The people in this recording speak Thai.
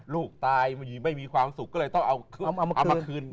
ลูกตายบางทีไม่มีความสุขก็เลยต้องเอามาคืน